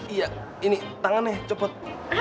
iya ini tangannya copot